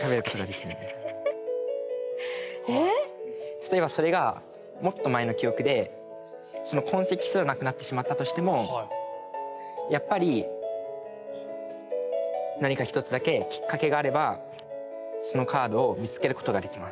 例えばそれがもっと前の記憶でその痕跡すらなくなってしまったとしてもやっぱり何か１つだけきっかけがあればそのカードを見つけることができます。